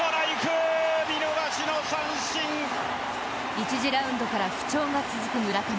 １次ラウンドから不調が続く村上。